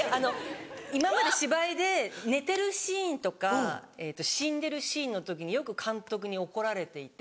今まで芝居で寝てるシーンとか死んでるシーンの時によく監督に怒られていて。